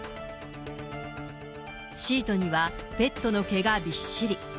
シートにはペットの毛がびっしり。